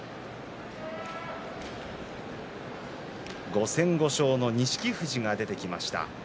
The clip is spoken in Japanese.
５戦５勝の錦富士が出てきました。